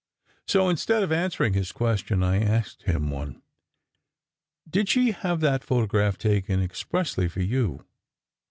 So, instead of answering his questions, I asked him one: "Did she have that photograph taken expressly for you?"